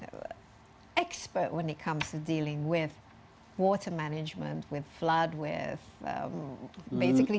dengan penyelamatan dengan menjaga seluruh laut di luar negara